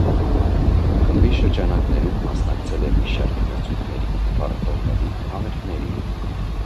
Խմբի շրջանակներում մասնակցել է մի շարք մրցույթների, փառատոների, համերգների։